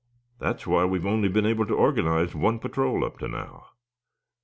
That's why we've only been able to organize one patrol up to now.